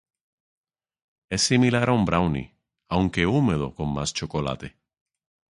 Es similar a un brownie, aunque húmedo con más chocolate.